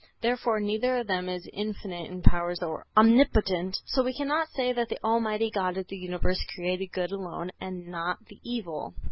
Therefore neither of them is infinite in powers or omnipotent. So we cannot say that the Almighty God of the universe created good alone and not the evil.